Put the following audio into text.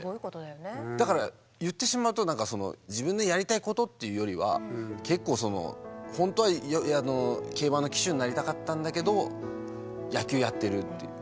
だから言ってしまうと自分のやりたいことっていうよりは結構その本当は競馬の騎手になりたかったんだけど野球やってるっていう。